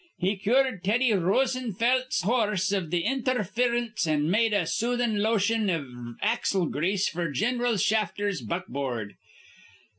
He cured Teddy Rosenfelt's hor rse iv intherference an' made a soothin' lotion iv axle grease f'r Gin'ral Shafter's buckboard.